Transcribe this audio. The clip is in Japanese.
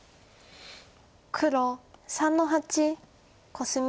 黒３の八コスミ。